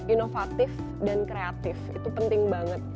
inovatif dan kreatif itu penting banget